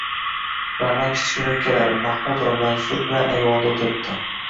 Ra’no kichkina ukalari – Mahmud va Mansur bilan ayvonda o’tiribdi.